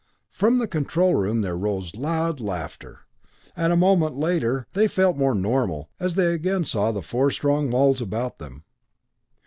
From the control room there rose loud laughter and a moment later they felt more normal, as they again saw the four strong walls about them.